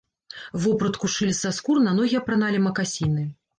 Вопратку шылі са скур, на ногі апраналі макасіны.